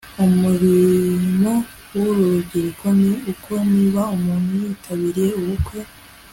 umurimo w'uru rubyiruko ni uko niba umuntu yitabiriye ubukwe